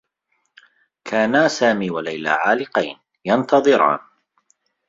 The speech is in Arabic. كانا سامي و ليلى عالقين، ينتظران.